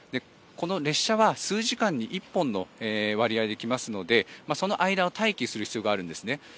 この列車は数時間に１本の割合で来ますのでその間は待機する必要があるんですね。